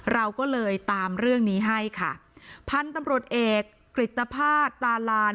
เราก็เลยตามเรื่องนี้ให้ค่ะพันธุ์ตำรวจเอกกริตภาษตาลาน